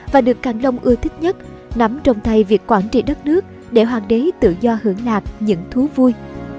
và được càng long ưa thích nhất nắm trong tay việc quản trị đất nước để hoàng đế tự do hưởng lạc những thú vui